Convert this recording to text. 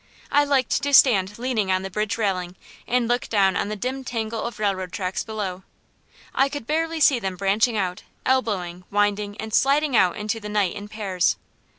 I liked to stand leaning on the bridge railing, and look down on the dim tangle of railroad tracks below. I could barely see them branching out, elbowing, winding, and sliding out into the night in pairs.